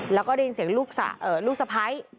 แล้วก็ได้ยินเสียงลูกสะพ้าย